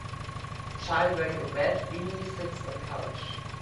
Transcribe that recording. Child wearing red beanie sits on couch.